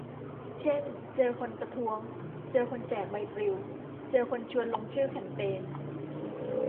เช่น เจอคนประท้วง เจอคนแจกใบปลิว เจอคนชวนลงชื่อแคมเปญ